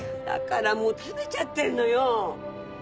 だからもう食べちゃってんのよ！